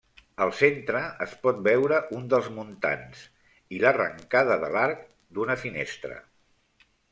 Al centre es pot veure un dels muntants, i l'arrencada de l'arc, d'una finestra.